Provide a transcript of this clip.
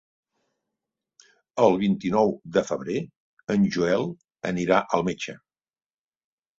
El vint-i-nou de febrer en Joel anirà al metge.